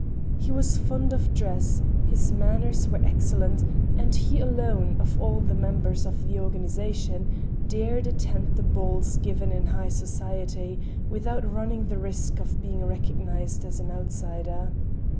He was fond of dress, his manners were excellent and he alone, of all the members of the organization, dared attend the balls given in high society, without running the risk of being recognized as an outsider.